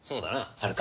はるか。